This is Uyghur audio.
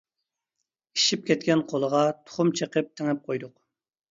ئىششىپ كەتكەن قولىغا تۇخۇم چىقىپ تېڭىپ قويدۇق.